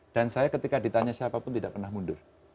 dan saya ketika ditanya siapapun tidak pernah mundur